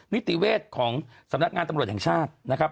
นิติเวชของสำนักงานตำรวจแห่งชาตินะครับ